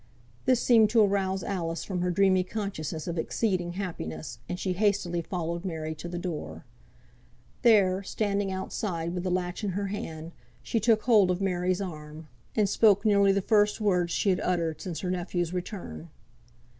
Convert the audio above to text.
This seemed to arouse Alice from her dreamy consciousness of exceeding happiness, and she hastily followed Mary to the door. There, standing outside, with the latch in her hand, she took hold of Mary's arm, and spoke nearly the first words she had uttered since her nephew's return.